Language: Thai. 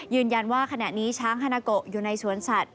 ยืนยันว่าขณะนี้ช้างฮานาโกอยู่ในสวนสัตว